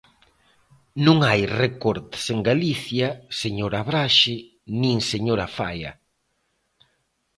Non hai recortes en Galicia, señora Braxe, nin señora Faia.